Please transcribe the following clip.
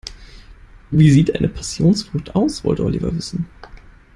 "Wie sieht eine Passionsfrucht aus?", wollte Oliver wissen.